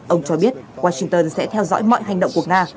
ông cho biết washington sẽ theo dõi mọi hành động của nga